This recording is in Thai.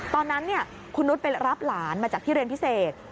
ตอนนั้นคุณนุษย์ไปรับหลานมาจากที่เรียนพิเศษ